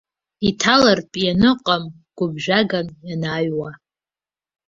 Иҭалартә ианыҟам, гәыԥжәаган ианааҩуа.